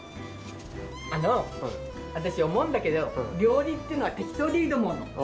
あの私思うんだけど料理っていうのは適当でいいと思うの。